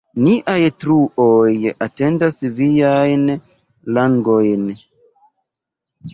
Niaj truoj atendas viajn langojn“.